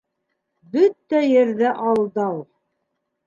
Бөтә ерҙә алдау!